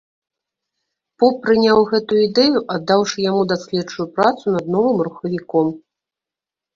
Поп прыняў гэтую ідэю, аддаўшы яму даследчую працу над новым рухавіком.